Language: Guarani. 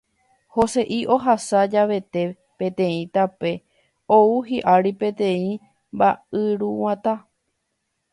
Jose'i ohasa javete peteĩ tape ou hi'ári peteĩ mba'yruguata.